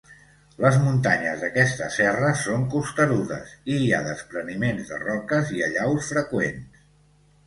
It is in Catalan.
Les muntanyes d'aquesta serra són costerudes, i hi ha despreniments de roques i allaus freqüents.